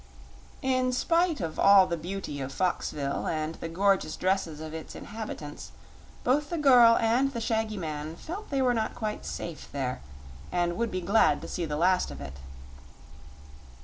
In spite of all the beauty of Foxville and the gorgeous dresses of its inhabitants, both the girl and the shaggy man felt they were not quite safe there, and would be glad to see the last of it.